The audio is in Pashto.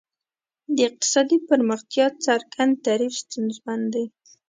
د اقتصادي پرمختیا څرګند تعریف ستونزمن دی.